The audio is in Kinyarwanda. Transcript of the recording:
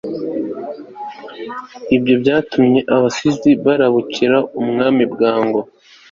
ibyo byatumye abasizi barabukira umwami bwangu